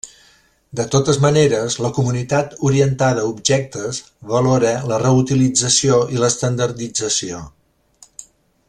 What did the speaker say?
De totes maneres, la comunitat orientada a objectes valora la reutilització i l'estandardització.